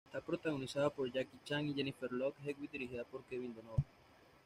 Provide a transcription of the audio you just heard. Está protagonizada por Jackie Chan y Jennifer Love Hewitt, dirigida por Kevin Donovan.